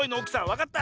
わかった？